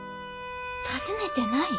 訪ねてない？